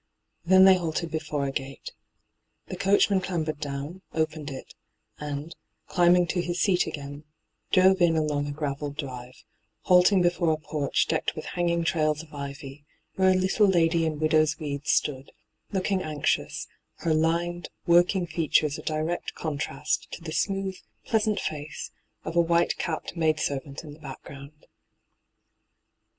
Then they halted before a gate. The coach man clambered down, opened it, and, climbing to his seat again, drove in along a gravelled drive, haltii^ before a porch decked with hanging trails of ivy, where a little lady in widow's weeds stood, looking anxious, her lined, working features a direct contrast to the smooth, pleasant face of a white capped maid servant in the background.